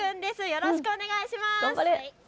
よろしくお願いします。